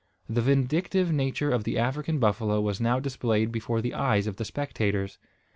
The vindictive nature of the African buffalo was now displayed before the eyes of the spectators.